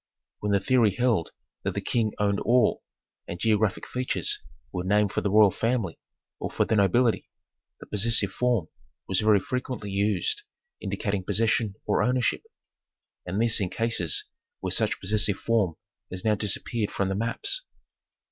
When the theory held that the King owned all, and geographic features were named for the royal family or for the nobility, the possessive form was very frequently used indicating possession or ownership, and this in cases where such possessive form has now disappeared from the maps...